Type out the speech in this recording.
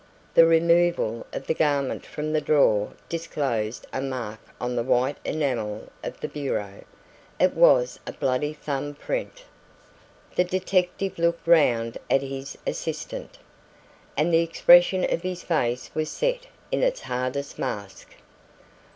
The removal of the garment from the drawer disclosed a mark on the white enamel of the bureau. It was a bloody thumb print! The detective looked round at his assistant, and the expression of his face was set in its hardest mask.